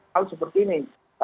hal seperti ini